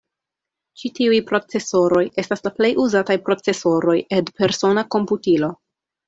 Ĉi tiu procesoroj estas la plej uzataj procesoroj en persona komputilo.